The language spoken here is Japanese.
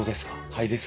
肺ですか？